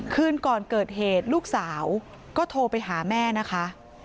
คืนก่อนเกิดเหตุลูกสาวก็โทรไปหาแม่นะคะ